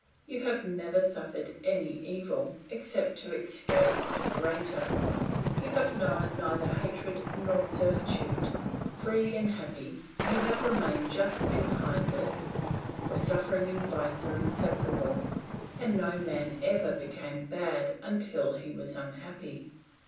You have never suffered any evil, except to escape a greater. You have known neither hatred nor servitude. Free and happy, you have remained just and kindly; for suffering and vice are inseparable, and no man ever became bad until he was unhappy.